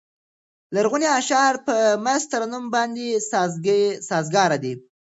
لرغوني اشعار په مست ترنم باندې سازګار دي.